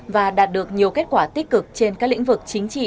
và đạt được nhiều kết quả tích cực trên các lĩnh vực chính trị